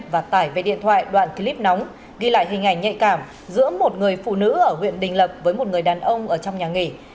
và tải về điện thoại đoạn clip nóng ghi lại hình ảnh nhạy cảm giữa một người phụ nữ ở huyện đình lập với một người đàn ông ở trong nhà nghỉ